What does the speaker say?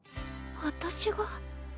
私が？